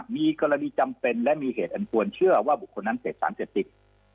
มีกรณีจำเป็นและมีเหตุอันควรเชื่อว่าบุคคลนั้นเสพสารเสพติด